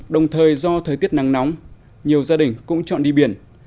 đồng thời do thời tiết nắng nóng nhiều gia đình cũng chọn đi biển